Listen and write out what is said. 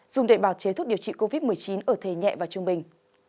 dùng để bảo chế thuốc điều trị covid một mươi chín ở thể nhẹ và trung bình